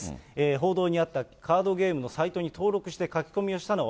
報道にあったカードゲームのサイトに登録して書き込みをしたのは、